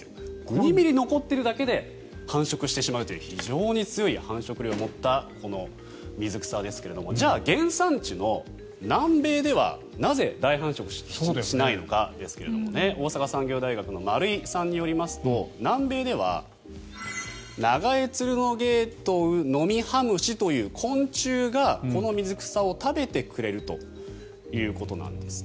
２ｍｍ残っているだけで繁殖してしまうという非常に強い繁殖力を持ったこの水草ですがじゃあ原産地の南米ではなぜ、大繁殖しないのかですが大阪産業大学の丸井さんによりますと南米ではナガエツルノゲイトウノミハムシという昆虫がこの水草を食べてくれるということなんですって。